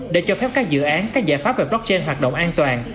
để cho phép các dự án các giải pháp về blockchain hoạt động an toàn